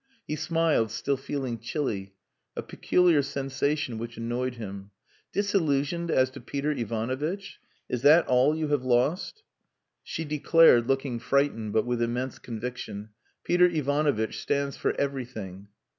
He smiled, still feeling chilly: a peculiar sensation which annoyed him. "Disillusioned as to Peter Ivanovitch! Is that all you have lost?" She declared, looking frightened, but with immense conviction, "Peter Ivanovitch stands for everything."